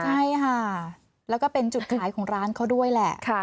ใช่ค่ะแล้วก็เป็นจุดขายของร้านเขาด้วยแหละ